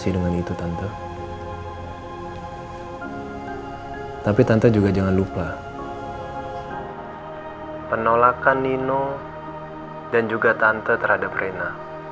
dan juga tante terhadap rena